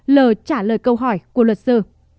l trả lời câu hỏi của luật sư